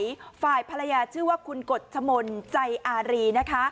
ฝ่ายฝ่ายฝรรยาชื่อว่าคุณกบชมนใจอารี